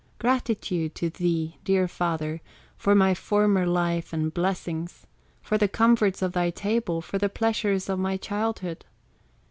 Gratitude to thee, dear father, For my former life and blessings, For the comforts of thy table, For the pleasures of my childhood!